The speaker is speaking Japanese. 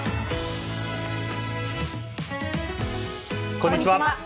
こんにちは。